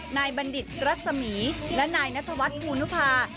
บัณฑิตรัศมีและนายนัทวัฒน์ภูนุภา